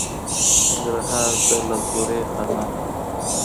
ننګرهار؛ د لالپورې خانان